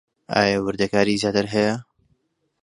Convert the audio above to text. ئایا وردەکاریی زیاتر هەیە؟